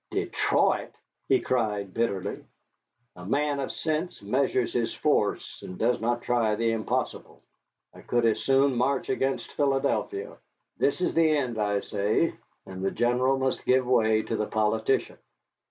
"Detroit!" he cried bitterly, "a man of sense measures his force, and does not try the impossible. I could as soon march against Philadelphia. This is the end, I say; and the general must give way to the politician.